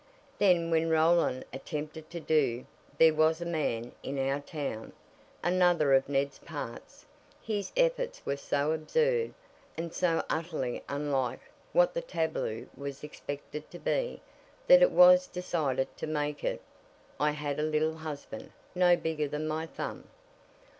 Then when Roland attempted to do "There was a Man in Our Town," another of Ned's parts, his efforts were so absurd and so utterly unlike what the tableau was expected to be, that it was decided to make it "I Had a Little Husband, no Bigger than my Thumb."